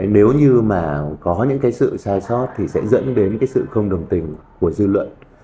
nếu như mà có những cái sự sai sót thì sẽ dẫn đến cái sự không đồng tình của dư luận